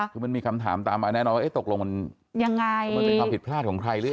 คือมันมีคำถามตามมาแน่นอนว่าตกลงมันยังไงมันเป็นความผิดพลาดของใครหรือ